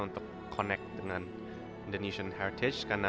untuk connect dengan indonesian hercage